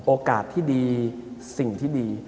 โอกาสที่ดีสิ่งที่ดี